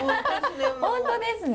本当ですね。